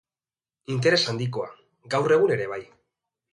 Interes handikoa, gaur egun ere bai.